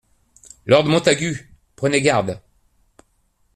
Lord Montagu Prenez garde.